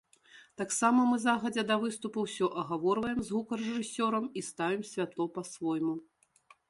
Таксама мы загадзя да выступу ўсё агаворваем з гукарэжысёрам і ставім святло па-свойму.